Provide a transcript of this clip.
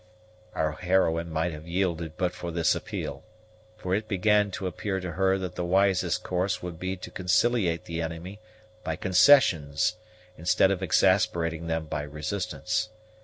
Our heroine might have yielded but for this appeal; for it began to appear to her that the wisest course would be to conciliate the enemy by concessions instead of exasperating them by resistance.